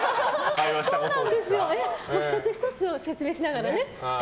１つ１つを説明しながらね。